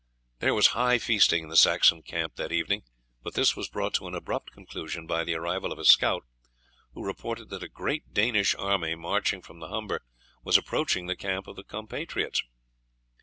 There was high feasting in the Saxon camp that evening, but this was brought to an abrupt conclusion by the arrival of a scout, who reported that a great Danish army marching from the Humber was approaching the camp of the compatriots.